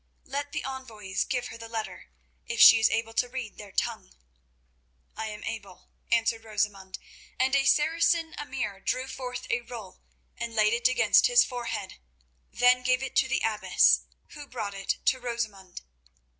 Let the envoys give her the letter, if she is able to read their tongue." "I am able," answered Rosamund, and a Saracen emir drew forth a roll and laid it against his forehead, then gave it to the abbess, who brought it to Rosamund.